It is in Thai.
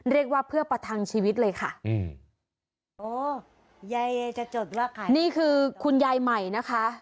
เรียกว่าเพื่อประทังชีวิตเลยค่ะอืมโอ้ยายจะจดว่าใครนี่คือคุณยายใหม่นะคะ